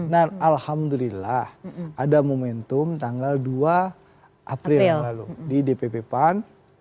alhamdulillah ada momentum tanggal dua april yang lalu di dpp pan